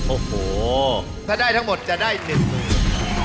โอ้โหถ้าได้ทั้งหมดจะได้๑หมื่น